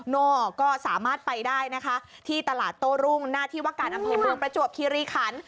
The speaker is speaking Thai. โน่ก็สามารถไปได้นะคะที่ตลาดโต้รุ่งหน้าที่ว่าการอำเภอเมืองประจวบคิริขัน